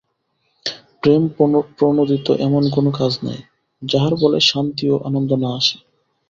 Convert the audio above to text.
প্রেম-প্রণোদিত এমন কোন কাজ নাই, যাহার ফলে শান্তি ও আনন্দ না আসে।